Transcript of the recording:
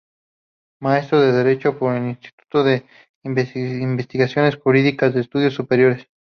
Maestro en Derecho por el Instituto de Investigaciones Jurídicas de Estudios Superiores.